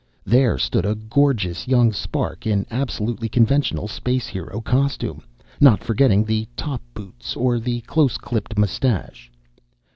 There stood a gorgeous young spark in absolutely conventional space hero costume, not forgetting the top boots or the close clipped moustache.